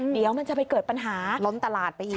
เดี๋ยวมันจะไปเกิดปัญหาล้นตลาดไปอีก